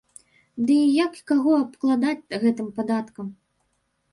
Дый як і каго абкладаць гэтым падаткам?